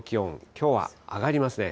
きょうは上がりますね。